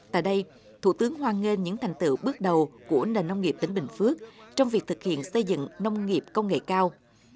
tại đây thủ tướng hoan nghênh những thành tựu bước đầu của nền nông nghiệp tỉnh bình phước trong việc thực hiện xây dựng nông nghiệp công nghệ cao